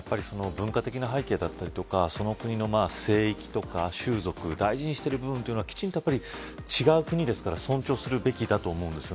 やっぱり文化的な背景だったりその国の聖域とか種族大事にしている部分というのはきちんと違う国だから尊重するべきだと思うんです。